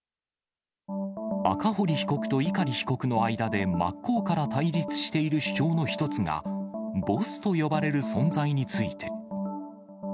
赤堀被告と碇被告の間で真っ向から対立している主張の一つが、ボスと呼ばれる存在について。